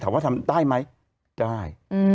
ว่าทำได้ไหมได้